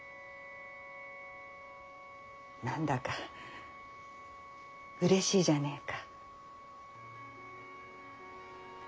何だかうれしいじゃねぇか。